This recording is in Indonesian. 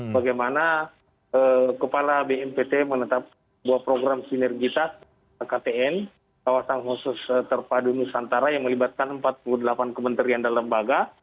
bagaimana kepala bnpt menetapkan sebuah program sinergitas ktn kawasan khusus terpadu nusantara yang melibatkan empat puluh delapan kementerian dan lembaga